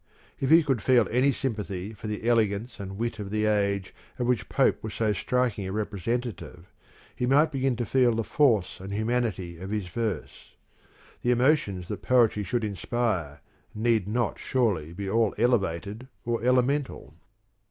If he could feel any sympathy for the elegance and wit of the age of which Pope was so striking a representative, he might begin to feel the force and humanity of his verse. The emotions that poetry should inspire need not surely be all elevated or elemental.